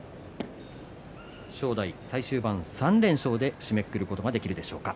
正代、３連勝で締めくくることができるでしょうか。